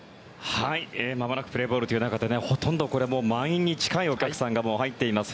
まもなくプレーボールという中で満員に近いお客さんが入っています。